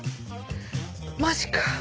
マジか。